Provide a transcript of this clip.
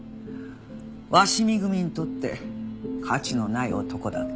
鷲見組にとって価値のない男だった。